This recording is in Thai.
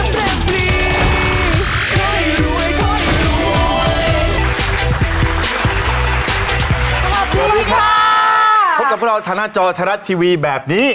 พบกับพวกเราธนาจจอธนรัฐทีวีแบบนี้